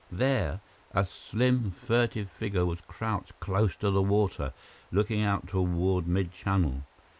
There, a slim, furtive figure was crouched close to the water, looking out toward mid channel.